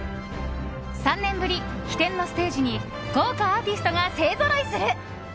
３年ぶり、飛天のステージに豪華アーティストが勢ぞろいする。